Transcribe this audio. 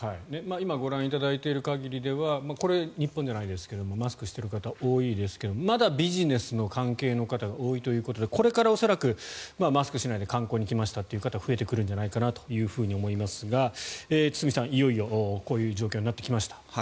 今ご覧いただいている限りではこれ、日本じゃないですけどもマスクしている方多いですけどもまだビジネスの関係の方が多いということでこれから恐らくマスクしないで観光に来ましたという方が増えてくるんじゃないかなと思いますが堤さん、いよいよこういう状況になってきました。